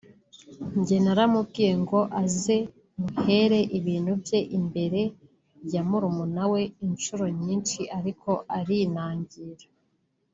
“Jye naramubwiye ngo aze muhere ibintu bye imbere ya murumuna we inshuro nyinshi ariko arinangira